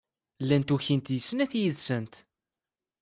Llant ukint deg snat yid-sent.